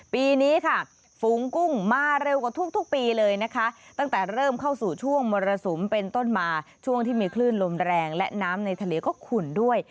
ปีนี้ค่ะฝูงกุ้งมาเร็วกว่าทุกปีเลยนะคะตั้งแต่เริ่มเข้าสู่ช่วงมรสุมเป็นต้นมาช่วงที่มีคลื่นลมแรงและน้ำในทะเลก็ขุ่นด้วย